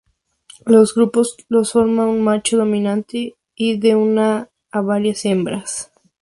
Los grupos los forman un macho dominante y de una a varias hembras.